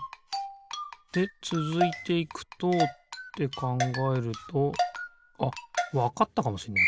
でつづいていくとってかんがえるとあっわかったかもしんない